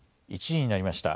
１時になりました。